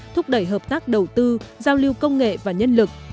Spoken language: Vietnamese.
thúc đẩy hợp tác đầu tư giao lưu công nghệ và nhân lực